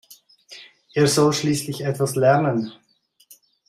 Er soll schließlich etwas lernen.